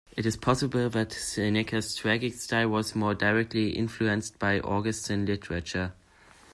It is possible that Seneca's tragic style was more directly influenced by Augustan literature.